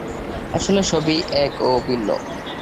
আসলে সবই এক ও ভিন্ন।